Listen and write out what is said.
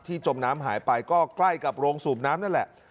จมน้ำหายไปก็ใกล้กับโรงสูบน้ำนั่นแหละ